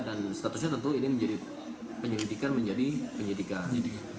dan statusnya tentu ini menjadi penyelidikan menjadi penyelidikan